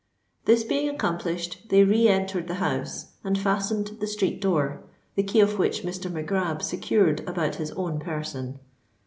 This being accomplished, they re entered the house, and fastened the street door, the key of which Mr. Mac Grab secured about his own person.